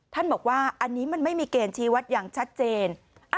ท่านบอกว่าอันนี้มันไม่มีเกณฑ์ชี้วัดอย่างชัดเจน